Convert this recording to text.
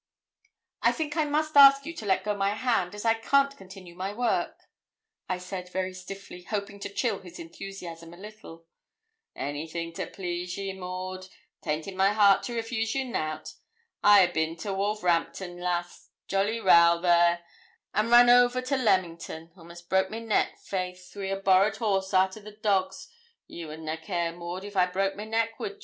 'I think I must ask you to let go my hand, as I can't continue my work,' I said, very stiffly, hoping to chill his enthusiasm a little. 'Anything to pleasure ye, Maud, 'tain't in my heart to refuse ye nout. I a'bin to Wolverhampton, lass jolly row there and run over to Leamington; a'most broke my neck, faith, wi' a borrowed horse arter the dogs; ye would na care, Maud, if I broke my neck, would ye?